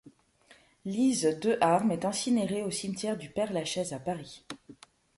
Lise Deharme est incinérée au cimetière du Père-Lachaise à Paris.